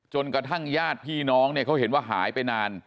กระทั่งญาติพี่น้องเนี่ยเขาเห็นว่าหายไปนาน